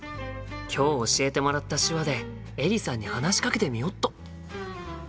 今日教えてもらった手話でエリさんに話しかけてみよっと！